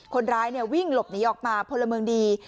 คนร้ายวิ่งหลบหนีออกมาพลเมืองดี